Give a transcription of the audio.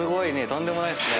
とんでもないっすね。